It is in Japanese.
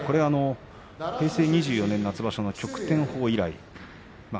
平成２４年夏場所旭天鵬以来でした。